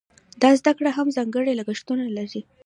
دا زده کړه هم ځانګړي لګښتونه لري.